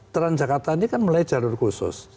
transjakarta ini kan mulai jalur khusus